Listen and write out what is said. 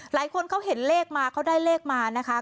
หลายคนเขาเห็นเลขมาเขาได้เลขมานะคะ